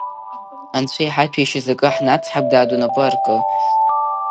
Анцәа иҳаҭәеишьаз акы ҳнацҳап, дад, унапы аркы.